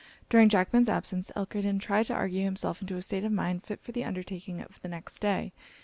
During Jackman's absence, Elkerton tried to argue himself into a state of mind fit for the undertaking of the next day.